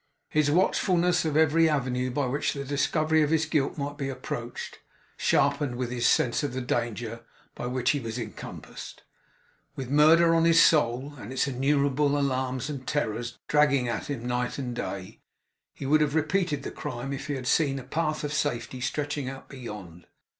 His watchfulness of every avenue by which the discovery of his guilt might be approached, sharpened with his sense of the danger by which he was encompassed. With murder on his soul, and its innumerable alarms and terrors dragging at him night and day, he would have repeated the crime, if he had seen a path of safety stretching out beyond.